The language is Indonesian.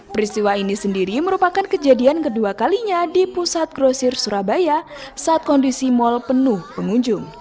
peristiwa ini sendiri merupakan kejadian kedua kalinya di pusat grosir surabaya saat kondisi mal penuh pengunjung